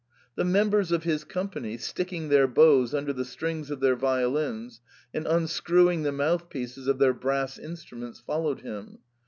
The members of his company, sticking their bows under the strings of their violins, and unscrewing the mouthpieces of their brass instruments, followed him.